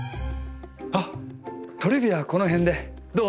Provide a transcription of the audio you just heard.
あっトリビアはこの辺でどう？